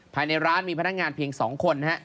ภายในร้านมีพนักงานเพียง๒คน